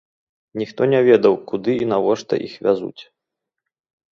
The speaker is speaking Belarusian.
Ніхто не ведаў, куды і навошта іх вязуць.